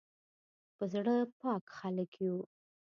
په زړه پاک خلک یو